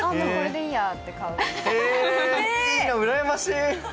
いいな、うらやましい。